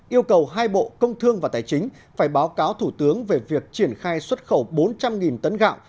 yêu cầu hai bộ công thương và tài chính phải báo cáo thủ tướng về việc triển khai xuất khẩu bốn trăm linh tấn gạo